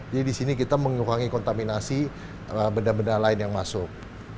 jadi di sini kita mengurangi kontaminasi benda benda lain yang masuk